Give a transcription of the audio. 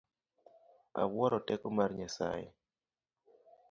Awuoro teko mar Nyasaye.